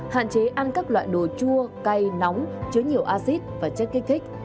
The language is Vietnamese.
hạn chế ăn các loại đồ chua cay nóng chứa nhiều acid và chất kích thích